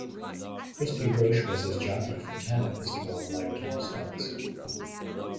Christy Roche was his jockey for ten of his twelve liftetime starts.